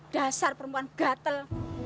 dasar perempuan gatel